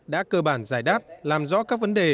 đã cơ bản giải đáp làm rõ các vấn đề